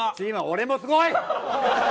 俺もすごい。